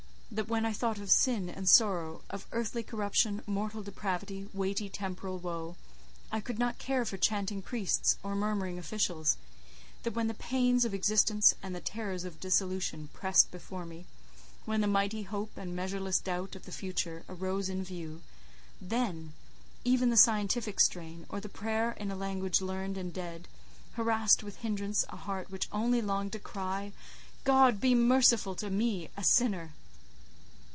That when I thought of sin and sorrow, of earthly corruption, mortal depravity, weighty temporal woe—I could not care for chanting priests or mumming officials; that when the pains of existence and the terrors of dissolution pressed before me—when the mighty hope and measureless doubt of the future arose in view—then, even the scientific strain, or the prayer in a language learned and dead, harassed: with hindrance a heart which only longed to cry—"God be merciful to me, a sinner!"